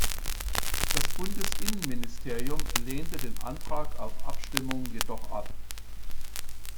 Das Bundesinnenministerium lehnte den Antrag auf Abstimmung jedoch ab.